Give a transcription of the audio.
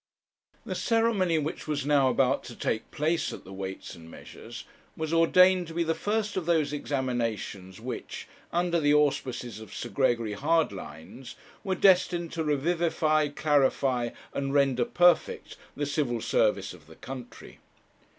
The ceremony which was now about to take place at the Weights and Measures was ordained to be the first of those examinations which, under the auspices of Sir Gregory Hardlines, were destined to revivify, clarify, and render perfect the Civil Service of the country.